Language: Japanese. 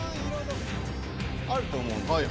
あると思うんですけど。